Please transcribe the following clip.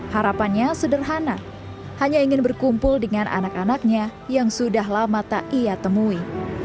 harapannya sederhana hanya ingin berkumpul dengan anak anaknya yang sudah lama tak ia temui